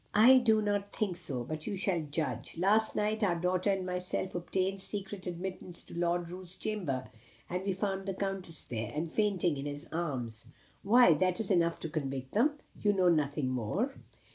"I do not think so. But you shall judge. Last night, our daughter and myself obtained secret admittance to Lord Roos's chamber, and we found the Countess there, and fainting in his arms." "Why that is enough to convict them. You want nothing more."